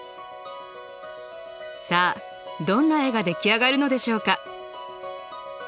さあどんな絵が出来上がるのでしょうか。